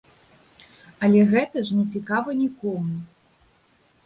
Але гэта ж нецікава нікому.